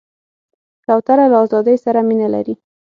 کوتره له آزادۍ سره مینه لري.